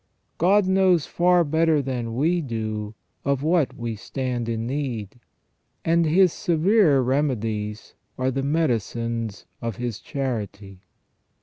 God knows far better than we do of what we stand in need, and His severer remedies are the medicines of His charity.